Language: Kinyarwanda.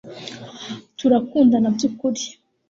turakundana byukuri